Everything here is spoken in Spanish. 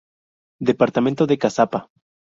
Departamento de Caazapá